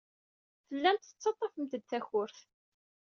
Tellamt tettaḍḍafemt-d takurt.